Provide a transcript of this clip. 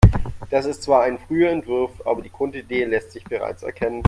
Das ist zwar ein früher Entwurf, aber die Grundidee lässt sich bereits erkennen.